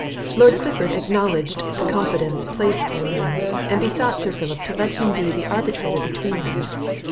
Lord Clifford acknowledged the confidence placed in him; and besought Sir Philip to let him be the arbitrator between them.